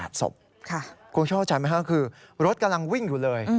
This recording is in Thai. คุณชอบใจไหมคะคือรถกำลังวิ่งอยู่เลย